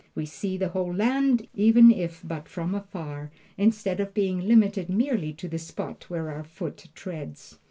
We see the whole land, even if but from afar, instead of being limited merely to the spot where our foot treads.